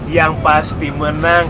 yang pasti menang